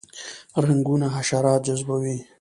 رنګونه حشرات جذبوي